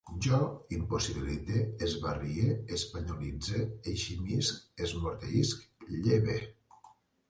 Jo impossibilite, esbarrie, espanyolitze, eximisc, esmorteïsc, lleve